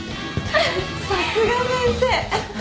さすが先生！